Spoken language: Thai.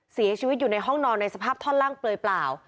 เสียชีวิตอยู่ในห้องนอนในสภาพท่อนล่างเปลือยเปล่า